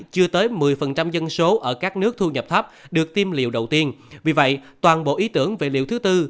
chưa tới một mươi dân số ở các nước thu nhập thấp được tiêm liều đầu tiên vì vậy toàn bộ ý tưởng về liều thứ tư